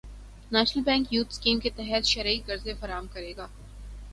national bank youth scheme کے تحت شرعی قرضے فراہم کرے گا